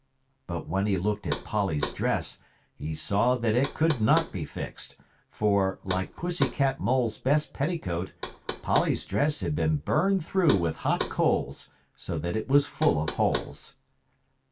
But when he looked at Polly's dress he saw that it could not be fixed, for, like Pussy Cat Mole's best petticoat, Polly's dress had been burned through with hot coals, so that it was full of holes.